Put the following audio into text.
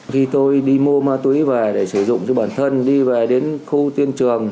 khi tôi đi mua ma túy về để sử dụng cho bản thân đi về đến khu tuyên trường